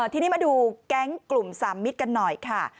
ทีนี้มาดูแก๊งกลุ่มสามมิตรกันหน่อยค่ะ